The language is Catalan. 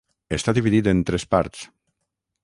Està dividit en tres parts.